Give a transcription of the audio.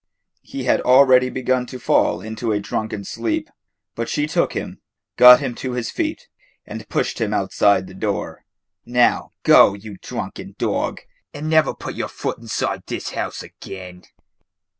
He had already begun to fall into a drunken sleep, but she shook him, got him to his feet, and pushed him outside the door. "Now, go, you drunken dog, and never put your foot inside this house again."